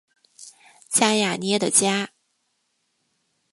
加雅涅的家。